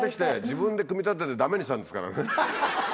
自分で組み立ててダメにしたんですからね。